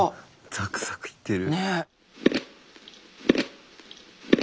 ザクザクいってる。